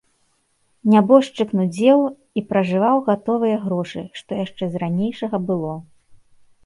Нябожчык нудзеў і пражываў гатовыя грошы, што яшчэ з ранейшага было.